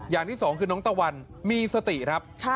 อย่างที่สองคือน้องตะวันมีสติครับ